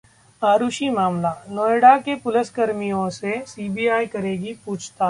आरुषि मामला: नोएडा के पुलिसकर्मियों से सीबीआई करेगी पूछताछ